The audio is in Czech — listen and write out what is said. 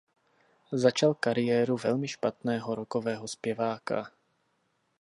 Začal kariéru velmi špatného rockového zpěváka.